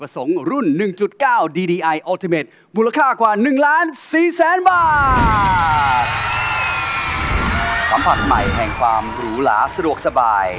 สัมผัสใหม่แห่งความหรูหลาสะดวกสบาย